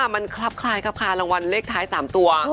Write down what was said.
มันคลับคลายครับคลารางวัลเลขท้าย๓ตัว